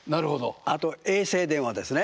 あと衛星電話ですね。